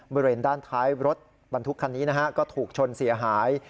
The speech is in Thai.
บริเวณด้านท้ายรถบรรทุกคันนี้นะฮะก็ถูกชนเสียหาย